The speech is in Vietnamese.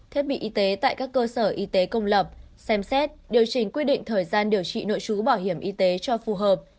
thiết bị y tế tại các cơ sở y tế công lập xem xét điều chỉnh quy định thời gian điều trị nội trú bảo hiểm y tế cho phù hợp